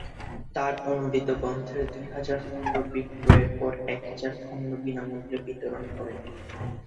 তার অনূদিত গ্রন্থের দুই হাজার খণ্ড বিক্রয়ের পর এক হাজার খণ্ড বিনামূল্যে বিতরণ করেন।